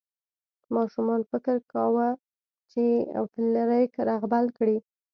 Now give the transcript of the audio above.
ماشومان فکر کاوه چې فلیریک رغبل کړي.